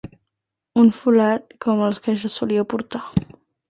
Un fulard, com els que jo solia portar.